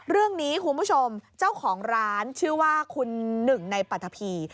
คุณผู้ชมเจ้าของร้านชื่อว่าคุณหนึ่งในปรัฐพี